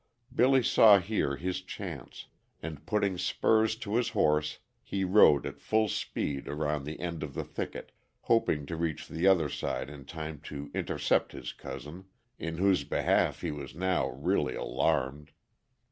Billy saw here his chance, and putting spurs to his horse he rode at full speed around the end of the thicket, hoping to reach the other side in time to intercept his cousin, in whose behalf he was now really alarmed.